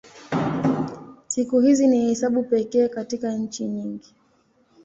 Siku hizi ni hesabu pekee katika nchi nyingi.